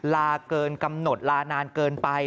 ลาเกินกำหนดลานานเกินไป